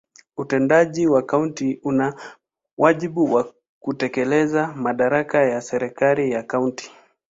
Utendaji wa kaunti una wajibu wa kutekeleza madaraka ya serikali ya kaunti.